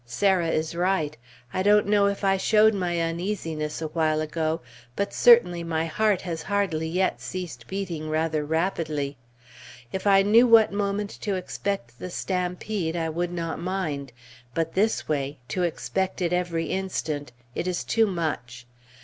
Sarah is right. I don't know if I showed my uneasiness a while ago, but certainly my heart has hardly yet ceased beating rather rapidly. If I knew what moment to expect the stampede, I would not mind; but this way to expect it every instant it is too much!